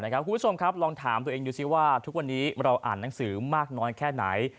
คุณผู้ชมครับลองถามตัวเองดูซิว่าทุกวันนี้เราอ่านหนังสือมากน้อยแค่ไหน